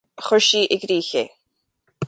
Chuir sí i gcrích é.